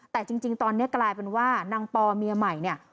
แต่จริงตอนนี้กลายเป็นว่านางปอเมียใหม่เนี่ย